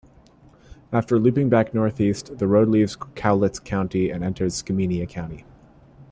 After looping back northeast, the road leaves Cowlitz County and enters Skamania County.